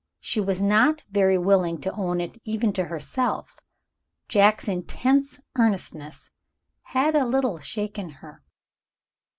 She was not very willing to own it even to herself Jack's intense earnestness had a little shaken her.